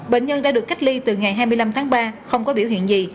bệnh nhân đã được cách ly từ ngày hai mươi năm tháng ba không có biểu hiện gì